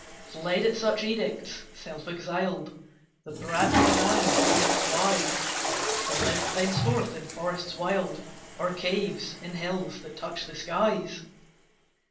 Fled at such edicts, self exiled, The Bramins and the pundits wise, To live thenceforth in forests wild, Or caves in hills that touch the skies.